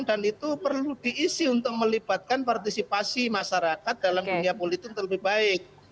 dan itu perlu diisi untuk melibatkan partisipasi masyarakat dalam dunia politik yang lebih baik